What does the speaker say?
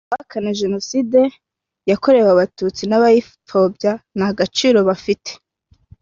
abahakana Jenoside yakorewe abatutsi n’abayipfobya nta gaciro bafite